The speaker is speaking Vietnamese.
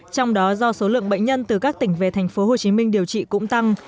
trong đó do số lượng bệnh nhân từ các tỉnh về tp hcm điều trị cũng tăng